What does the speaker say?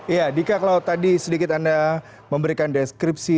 ya dika kalau tadi sedikit anda memberikan deskripsi